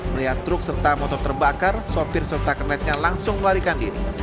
melihat truk serta motor terbakar sopir serta kernetnya langsung melarikan diri